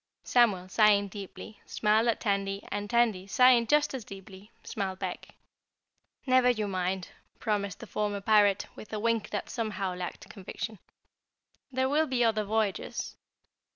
Samuel, sighing deeply, smiled at Tandy and Tandy, sighing just as deeply, smiled back. "Never you mind," promised the former Pirate with a wink that somehow lacked conviction, "there'll be other voyages!"